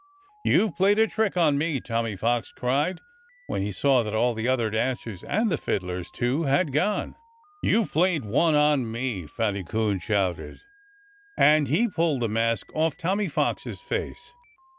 "You've played a trick on me!" Tommy Fox cried, when he saw that all the other dancers and the fiddlers, too had gone. "You've played one on me!" Fatty Coon shouted. And he pulled the mask off Tommy Fox's face.